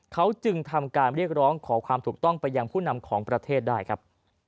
เขาจึงทำการเรียกร้องขอความถูกต้องไปยังผู้นำของประเทศได้ครับ